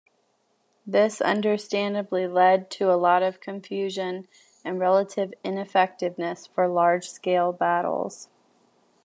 This understandably led to a lot of confusion and relative ineffectiveness for large-scale battles.